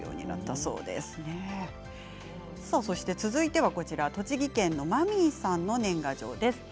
そして続いては栃木県のマミーさんの年賀状です。